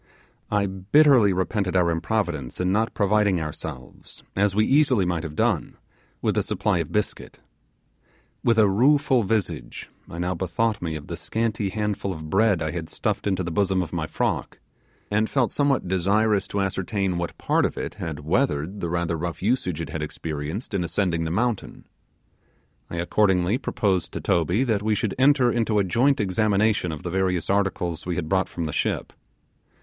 I bitterly repented our improvidence in not providing ourselves, as we easily might have done, with a supply of biscuits. With a rueful visage I now bethought me of the scanty handful of bread I had stuffed into the bosom of my frock, and felt somewhat desirous to ascertain what part of it had weathered the rather rough usage it had experienced in ascending the mountain. I accordingly proposed to Toby that we should enter into a joint examination of the various articles we had brought from the ship.